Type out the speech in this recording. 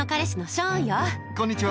こんにちは。